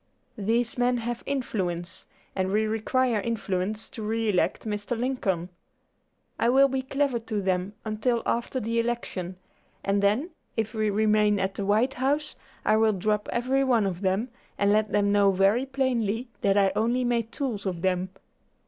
These men have influence, and we require influence to re elect Mr. Lincoln. I will be clever to them until after the election, and then, if we remain at the White House, I will drop every one of them, and let them know very plainly that I only made tools of them.